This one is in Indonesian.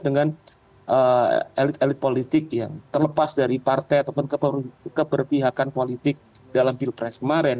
dengan elit elit politik yang terlepas dari partai ataupun keberpihakan politik dalam pilpres kemarin